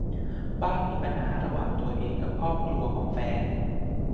บ้างมีปัญหาระหว่างตัวเองกับครอบครัวของแฟน